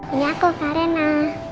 ini aku kak reina